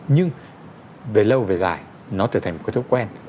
nhưng về lâu về dài nó trở thành một cái thói quen